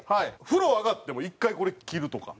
風呂上がって１回これ着るとか。